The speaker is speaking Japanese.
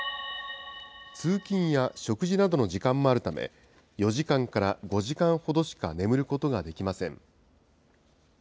通勤や食事などの時間もあるため、４時間から５時間ほどしか眠ることができません。